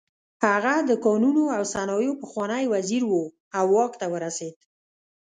هغه د کانونو او صنایعو پخوانی وزیر و او واک ته ورسېد.